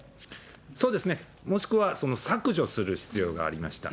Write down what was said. もしくは削除する必要がありました。